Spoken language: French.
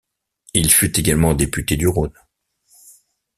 Il fut également député du Rhône.